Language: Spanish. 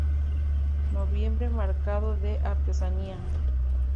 Noviembre: Mercado de Artesanía.